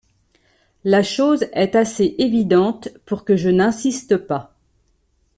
La chose est assez évidente pour que je n’insiste pas.